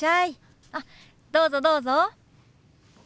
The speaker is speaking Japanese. あっどうぞどうぞ。